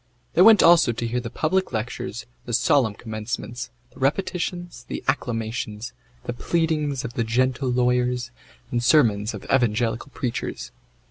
They went also to hear the public lectures, the solemn commencements, the repetitions, the acclamations, the pleadings of the gentle lawyers, and sermons of evangelical preachers.